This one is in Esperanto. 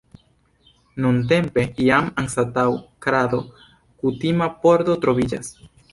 Nuntempe jam anstataŭ krado kutima pordo troviĝas.